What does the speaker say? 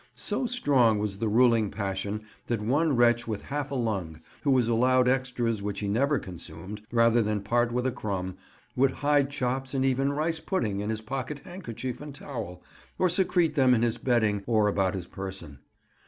So strong was the ruling passion that one wretch with half a lung, who was allowed extras which he never consumed, rather than part with a crumb, would hide chops and even rice pudding in his pocket handkerchief and towel, or secrete them in his bedding or about his person.